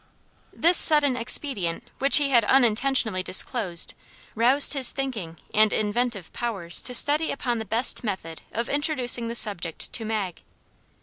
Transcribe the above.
This sudden expedient which he had unintentionally disclosed, roused his thinking and inventive powers to study upon the best method of introducing the subject to Mag.